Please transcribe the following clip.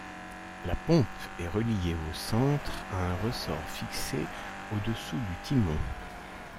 La pompe est reliée au centre à un ressort fixé au-dessous du timon.